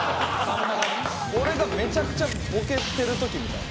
俺がめちゃくちゃボケてる時みたいな。